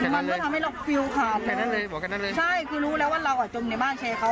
มันก็ทำให้เราควิวขาดแค่นั้นเลยบอกกันนั้นเลยใช่